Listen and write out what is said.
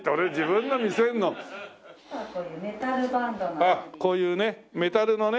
ああこういうねメタルのね。